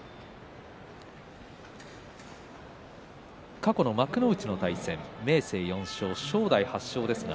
過去の幕内の対戦明生４勝、正代が８勝です。